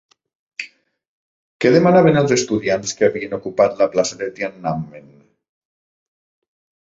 Què demanaven els estudiants que havien ocupat la plaça de Tiananmen?